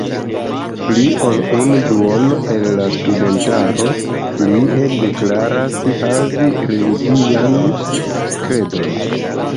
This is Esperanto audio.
Pli ol unu duono el la studentaro plie deklaras havi religian kredon.